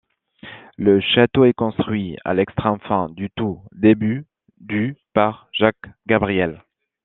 Le château est construit à l'extrême fin du tout début du par Jacques Gabriel.